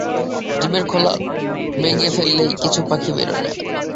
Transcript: ডিমের খোলা ভেঙে ফেললেই কিছু পাখি বেরোয় না।